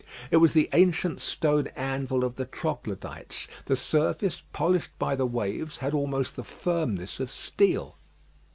It was the ancient stone anvil of the Troglodytes. The surface, polished by the waves, had almost the firmness of steel.